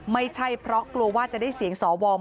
ไม่ใช่เพราะกลัวว่าจะได้เสียงสว